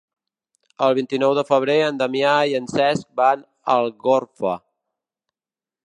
El vint-i-nou de febrer en Damià i en Cesc van a Algorfa.